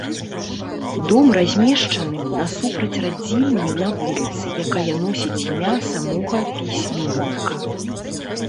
Дом размешчаны насупраць радзільні на вуліцы, якая носіць імя самога пісьменніка.